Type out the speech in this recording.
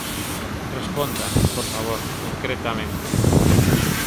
Responda, por favor, concretamente.